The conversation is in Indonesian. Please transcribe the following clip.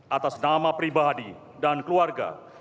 atas nama pribadi dan keluarga